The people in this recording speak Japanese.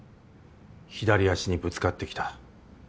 左足にぶつかってきた。